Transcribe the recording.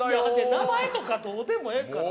名前とかどうでもええから。